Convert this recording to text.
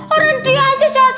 orang dia aja sakit keras